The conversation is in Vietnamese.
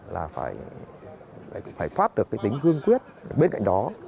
là phải thoát được cái tính hương quyết bên cạnh đó